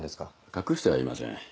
隠してはいません